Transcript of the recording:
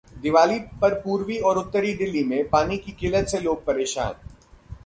दिवाली पर पूर्वी और उत्तरी दिल्ली में पानी की किल्लत से लोग परेशान